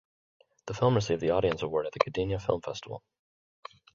The film received the Audience Award at the Gdynia Film Festival.